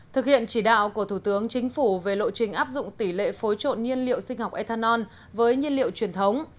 thực hiện chỉ đạo của thủ tướng chính phủ về lộ trình áp dụng tỷ lệ phối trộn nhiên liệu sinh học ethanol với nhiên liệu truyền thống